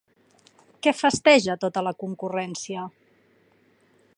Què festeja tota la concurrència?